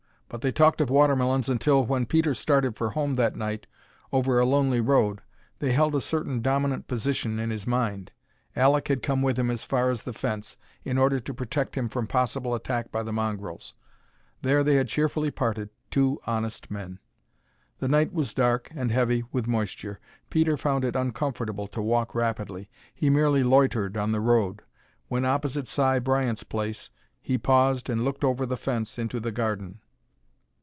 But they talked of watermelons until, when Peter started for home that night over a lonely road, they held a certain dominant position in his mind. Alek had come with him as far as the fence, in order to protect him from a possible attack by the mongrels. There they had cheerfully parted, two honest men. The night was dark, and heavy with moisture. Peter found it uncomfortable to walk rapidly. He merely loitered on the road. When opposite Si Bryant's place he paused and looked over the fence into the garden.